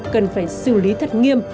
cần phải xử lý thật nghiêm